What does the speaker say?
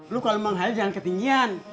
lo kalo mau ngalir jangan ketinggian